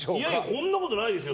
そんなことないですよ。